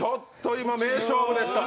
今、名勝負でした。